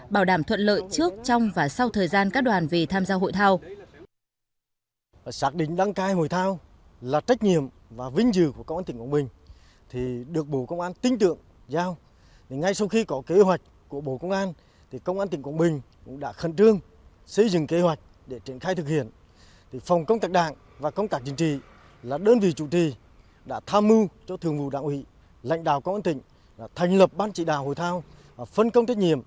bảo đảm thuận lợi trước trong và sau thời gian các đoàn vì tham gia hội thao